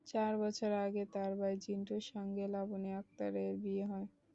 চার বছর আগে তাঁর ভাই ঝিন্টুর সঙ্গে লাবণী আক্তারের বিয়ে হয়।